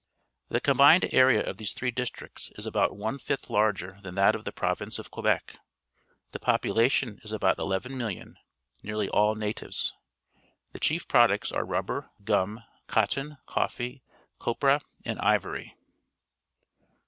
The combined area of these three districts is about one fifth larger than that of the Pro\ince of Quebec. The population is about 11,000,000, nearly all natives. The chief products are rubber, gum, cotton, coffee, copra, and ivory.